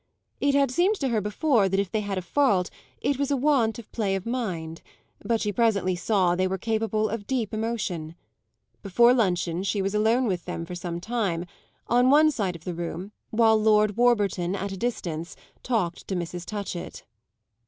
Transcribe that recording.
It had seemed to her before that if they had a fault it was a want of play of mind; but she presently saw they were capable of deep emotion. Before luncheon she was alone with them for some time, on one side of the room, while Lord Warburton, at a distance, talked to Mrs. Touchett.